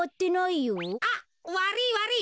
あっわりいわりい。